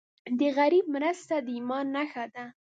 د غریب مرسته د ایمان نښه ده.